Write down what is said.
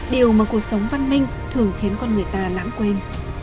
điều mà cuộc sống văn minh thường khiến con người ta lãng quên